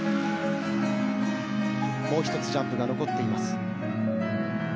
もう一つジャンプが残っています。